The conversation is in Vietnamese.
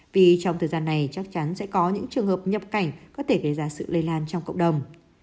vì trong thời gian này chắc chắn sẽ có những trường hợp nhập cảnh có thể gây ra sự lây lan trong cộng đồng